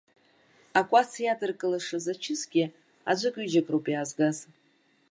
Акәац иадыркылашаз ачысгьы аӡәыкҩыџьак роуп иаазгаз.